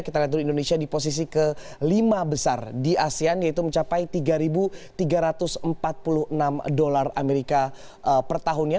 kita lihat dulu indonesia di posisi kelima besar di asean yaitu mencapai tiga tiga ratus empat puluh enam dolar amerika per tahunnya